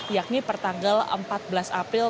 yakni pertanggal empat belas april